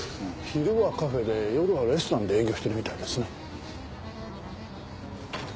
昼はカフェで夜はレストランで営業してるみたいですね。